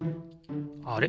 あれ？